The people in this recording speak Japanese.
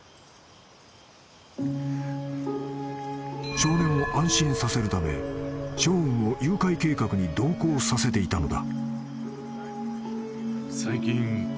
［少年を安心させるためショーンを誘拐計画に同行させていたのだ］